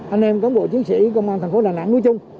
anh em cán bộ chiến sĩ công an thành phố đà nẵng núi trung